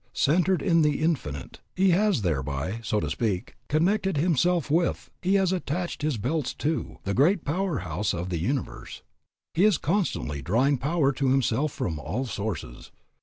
Centred in the Infinite, he has thereby, so to speak, connected himself with, he has attached his belts to, the great power house of the universe. He is constantly drawing power to himself from all sources.